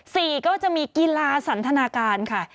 ก็จะมีกีฬาสันทนาการค่ะ